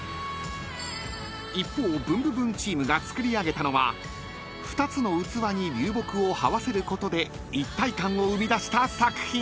［一方ブンブブーンチームが作り上げたのは２つの器に流木をはわせることで一体感を生み出した作品］